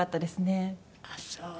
ああそう。